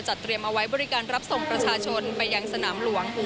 เตรียมเอาไว้บริการรับส่งประชาชนไปยังสนามหลวง